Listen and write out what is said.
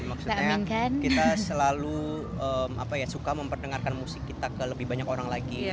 maksudnya kita selalu suka memperdengarkan musik kita ke lebih banyak orang lagi